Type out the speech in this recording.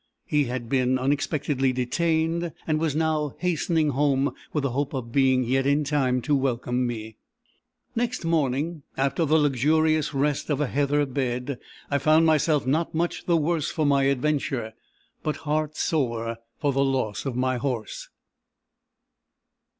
He had been unexpectedly detained, and was now hastening home with the hope of being yet in time to welcome me. Next morning, after the luxurious rest of a heather bed, I found myself not much the worse for my adventure, but heart sore for the loss of my horse.